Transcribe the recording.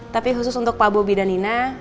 tapi khusus untuk pak bobby dan nina